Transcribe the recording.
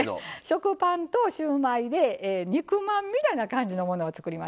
食パンとシューマイで肉まんみたいな感じのものを作りますよ。